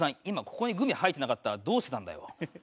今ここにグミ入ってなかったらどうしてたんだよ。